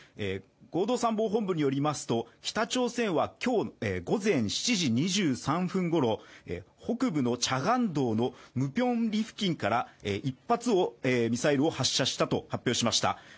合同参謀本部によりますと北朝鮮は今日午前７時２３分頃北部のチャガン道のムピョンリ付近から１発のミサイルを発射したと発表しました。